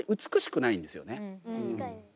確かに。